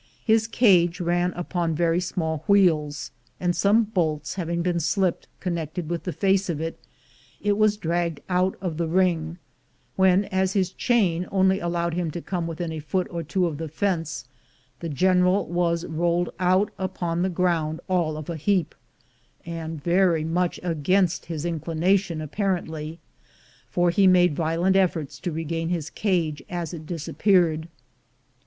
His cage ran upon very small wheels, and some bolts having been slipped A BULL AND BEAR FIGHT 279 connected with the face of it, it was dragged out of the ring, when, as his chain only allowed him to come within a foot or two of the fence, the General was rolled out upon the ground all of a heap, and very much against his inclination apparently, for he made violent efiForts to regain his cage as it disappeared.